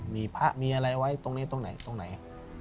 มีพระมีอะไรไว้ตรงนี้ตรงไหนตรงไหน